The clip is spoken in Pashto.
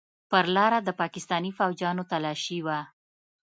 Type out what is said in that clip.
پر لاره د پاکستاني فوجيانو تلاشي وه.